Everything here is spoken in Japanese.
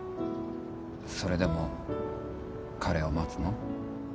それでも彼を待つの？